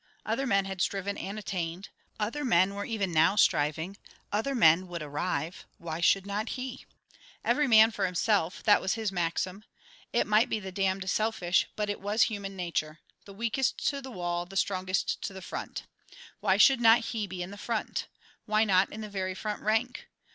Other men had striven and attained; other men were even now striving, other men would "arrive"; why should not he? As well he as another. Every man for himself that was his maxim. It might be damned selfish, but it was human nature: the weakest to the wall, the strongest to the front. Why should not he be in the front? Why not in the very front rank?